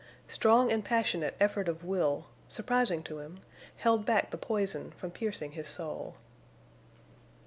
Strong and passionate effort of will, surprising to him, held back the poison from piercing his soul.